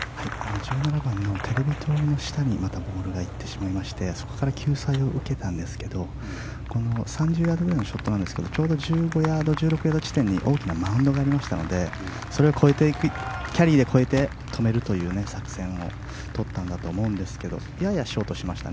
１７番のテレビ塔の下にまたボールが行ってしまいましてそこから救済を受けたんですけど３０ヤードぐらいのショットですが１５ヤード、１６ヤード地点に大きなマウンドがありましたのでそれをキャリーで越えて止めるという作戦をとったんだと思いますがややショートしました。